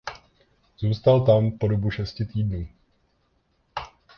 Zůstal tam po dobu šesti týdnů.